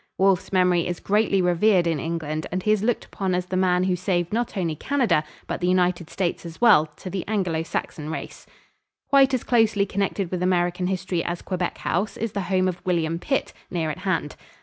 Wolfe's memory is greatly revered in England and he is looked upon as the man who saved not only Canada, but the United States as well, to the Anglo Saxon race. Quite as closely connected with American history as Quebec House is the home of William Pitt, near at hand.